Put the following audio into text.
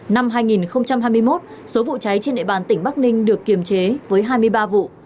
năm hai nghìn hai mươi một số vụ cháy trên địa bàn tỉnh bắc ninh được kiềm chế với hai mươi ba vụ